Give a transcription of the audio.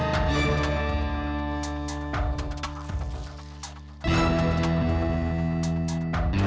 oh dia mau tau